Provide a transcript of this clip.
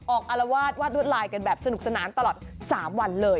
อารวาสวาดรวดลายกันแบบสนุกสนานตลอด๓วันเลย